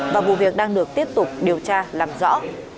và vụ việc đang được tiếp tục điều tra làm rõ